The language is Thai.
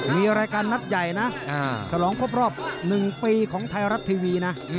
มีรายการนัดใหญ่นะฉลองครบรอบ๑ปีของไทยรัฐทีวีนะ